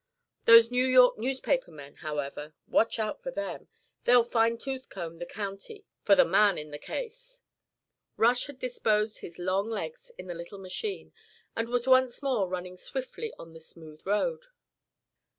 Those New York newspaper men, however watch out for them. They'll fine tooth comb the county for the man in the case." Rush had disposed his long legs in the little machine and it was once more running swiftly on the smooth road.